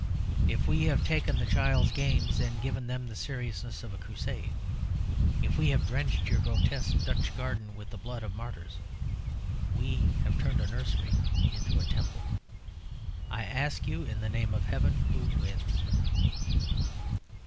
If we have taken the child's games, and given them the seriousness of a Crusade, if we have drenched your grotesque Dutch garden with the blood of martyrs, we have turned a nursery into a temple. I ask you, in the name of Heaven, who wins?"